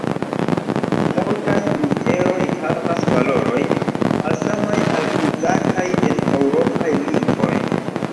Multaj literoj havas valorojn malsamaj al uzataj en eŭropaj lingvoj.